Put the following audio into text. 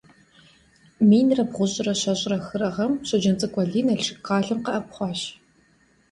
Минрэ бгъущIрэ щэщIрэ хырэ гъэм Щоджэнцӏыкӏу Алий Налшык къалэ къэӏэпхъуащ.